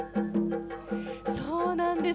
そうなんです。